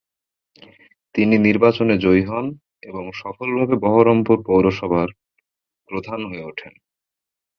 তিনি নির্বাচনে জয়ী হন এবং সফলভাবে বহরমপুর পৌরসভার প্রধান হয়ে উঠেন।